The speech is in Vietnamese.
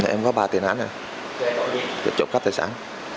em có ba tiền án này trộm cấp tài sản